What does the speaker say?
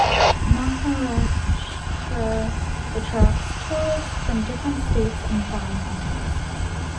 Maharashtra attracts tourists from different states and foreign countries.